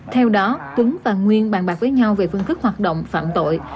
theo đó tuấn và nguyên bàn bạc với nhau về phương thức hoạt động phạm tội